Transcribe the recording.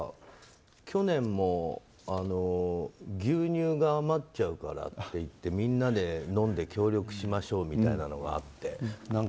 去年も牛乳が余っちゃうからっていってみんなで飲んで協力しましょうみたいなのがあって。